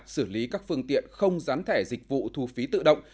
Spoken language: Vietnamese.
xử lý các phương tiện không gián thẻ dịch vụ thu phí tự động